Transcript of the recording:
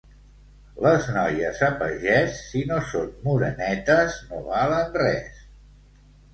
Les noies, a pagès, si no són morenetes, no valen res.